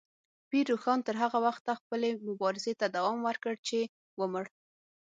پیر روښان تر هغه وخته خپلې مبارزې ته دوام ورکړ چې ومړ.